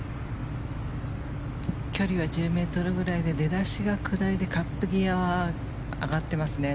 距離は１０ｍぐらいで出だしが下りでカップ際は上がってますね。